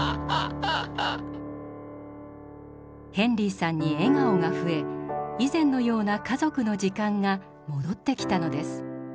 ヘンリーさんに笑顔が増え以前のような家族の時間が戻ってきたのです。